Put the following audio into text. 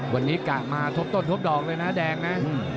วันนี้กะมาทบต้นทบดอกเลยนะแดงนะ